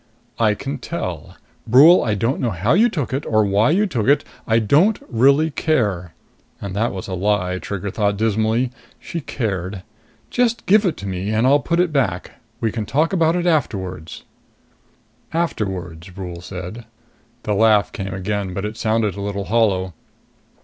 "I can tell. Brule, I don't know how you took it or why you took it. I don't really care." And that was a lie, Trigger thought dismally. She cared. "Just give it to me, and I'll put it back. We can talk about it afterwards." "Afterwards," Brule said. The laugh came again, but it sounded a little hollow.